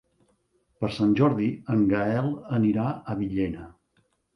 Per Sant Jordi en Gaël anirà a Villena.